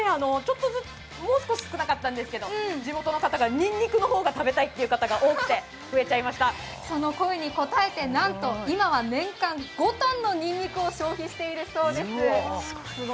もう少し少なかったんですけど、地元の方がにんにくが食べたいという方が多くてその声に応えて今は年間５ｔのにんにくを消費しているそうです。